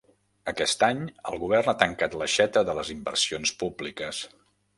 Aquest any, el govern ha tancat l'aixeta de les inversions públiques.